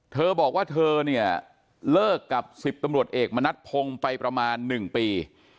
เธอบอกว่าเธอเนี่ยเลิกกับ๑๐ตำรวจเอกมณัฐพงศ์ไปประมาณ๑ปี